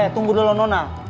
tunggu dulu nona